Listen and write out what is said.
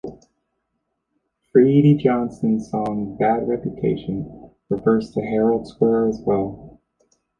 Freedy Johnston's song "Bad Reputation" refers to Herald Square as well.